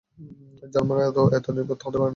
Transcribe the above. জার্মানরা তো এতো নির্বোধ হতে পারে না।